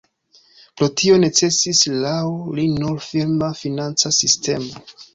Por tio necesis laŭ li nur firma financa sistemo.